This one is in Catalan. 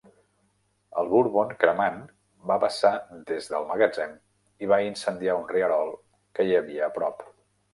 El bourbon cremant va vessar des del magatzem i va incendiar un rierol que hi havia a prop.